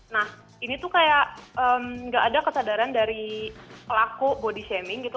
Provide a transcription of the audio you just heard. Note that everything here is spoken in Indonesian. nah ini tuh kayak gak ada kesadaran dari pelaku body shaming gitu